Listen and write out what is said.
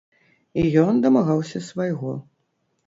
І ён дамагаўся свайго.